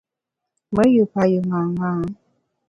Me yù payù ṅaṅâ.